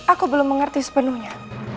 aku belum mengerti sepenuhnya